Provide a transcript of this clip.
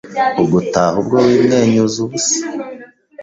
ugataha ubwo wimwenyuza ubusa